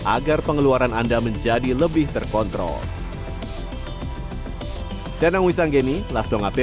agar pengeluaran anda menjadi lebih terkontrol